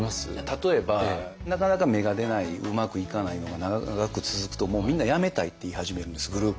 例えばなかなか芽が出ないうまくいかないのが長く続くとみんな辞めたいって言い始めるんですグループを。